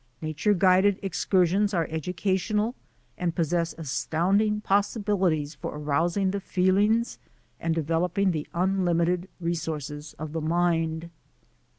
Nature guided excur sions are educational and possess astounding pos sibilities for arousing the feelings and developing the unlimited resources of the mind.